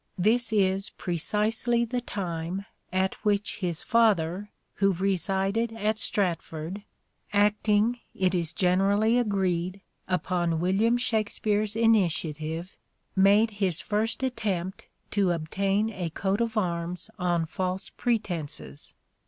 Tfcis is precisely the time at which his father, who resided at Stratford, acting, it is generally agreed, upon William Shakspere's initiative, made his first attempt to obtain a coat of arms on false pretences.